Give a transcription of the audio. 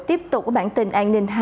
tiếp tục bản tin an ninh hai mươi bốn h